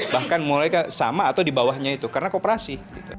bahkan mereka sama atau di bawahnya itu karena kooperasi